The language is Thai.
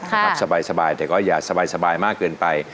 ค่ะครับสบายสบายแต่ก็อย่าสบายสบายมากเกินไป